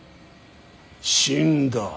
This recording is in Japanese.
死んだ。